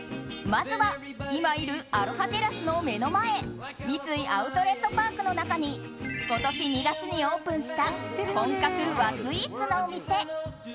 まずは今いるアロハテラスの目の前三井アウトレットパークの中に今年２月にオープンした本格和スイーツのお店。